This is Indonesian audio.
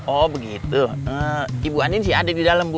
oh begitu ibu andin sih ada di dalam